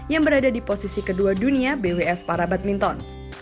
yang berada di posisi kedua dunia bwf para badminton